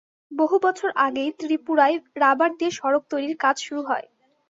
বহু বছর আগেই ত্রিপুরায় রাবার দিয়ে সড়ক তৈরির কাজ শুরু হয়।